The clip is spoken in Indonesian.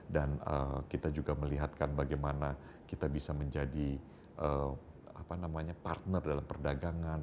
dan kita juga melihatkan bagaimana kita bisa menjadi partner dalam perdagangan